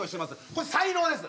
これ才能です